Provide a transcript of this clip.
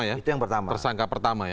itu yang pertama ya